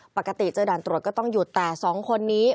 ปกติเจอด่านตรวจก็ต้องหยุดแต่สองคนนี้